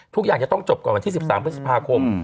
ทุกอย่างจะต้องจบก่อนวันที่๑๓พฤษภาคม